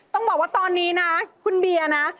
ต้องบอกว่าตอนนี้นะคุณเบียร์นะ